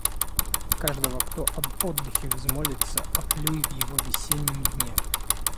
Каждого, кто об отдыхе взмолится, оплюй в его весеннем дне!